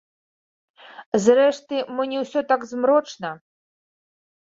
Зрэшты, мо не ўсё так змрочна.